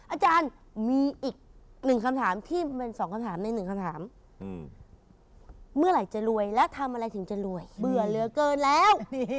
อาจารย์มีอีกหนึ่งคำถามที่เป็นสองคำถามในหนึ่งคำถามเมื่อไหร่จะรวยและทำอะไรถึงจะรวยเบื่อเหลือเกินแล้ว